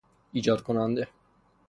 ایجاد کننده